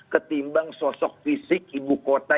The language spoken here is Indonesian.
ketimbang sosok fisik ibu kota